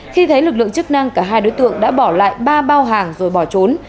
khi thấy lực lượng chức năng cả hai đối tượng đã bỏ lại ba bao hàng rồi bỏ trốn